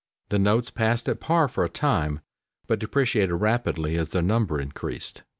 The notes passed at par for a time, but depreciated rapidly as their number increased.